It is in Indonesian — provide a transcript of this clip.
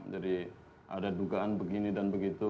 jadi ada dugaan begini dan begitu